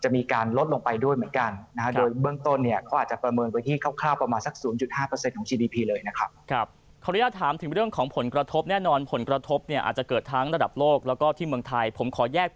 มาก็จะมีการลดลงไปด้วยเหมือนกัน